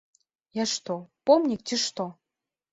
Я што, помнік, ці што?